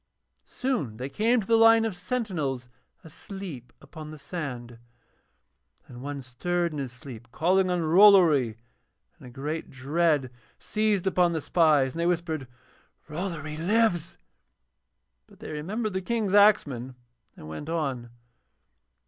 Soon they came to the line of sentinels asleep upon the sand, and one stirred in his sleep calling on Rollory, and a great dread seized upon the spies and they whispered 'Rollory lives,' but they remembered the King's axeman and went on.